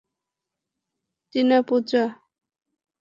Tina, - Puja.